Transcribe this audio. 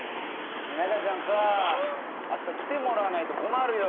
中ちゃんさあした来てもらわないと困るよ。